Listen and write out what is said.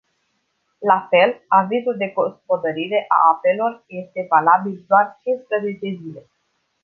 La fel, avizul de gospodărire a apelor este valabil doar cinsprezece zile.